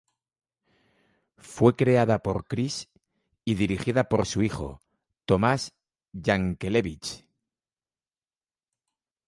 Fue creada por Cris y dirigida por su hijo, Tomás Yankelevich.